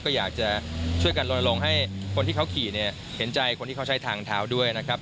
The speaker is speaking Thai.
ก็อยากจะช่วยกันโรยลงให้คนที่เขาขี่เนี่ยเห็นใจคนที่เขาใช้ทางเท้าด้วยนะครับ